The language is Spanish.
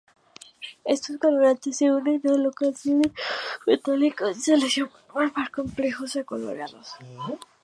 Estos colorantes se unen a los cationes metálicos en solución para formar complejos coloreados.